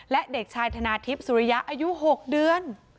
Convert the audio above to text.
และเด็กชายธนาทิพย์สุริยะอายุ๖เดือน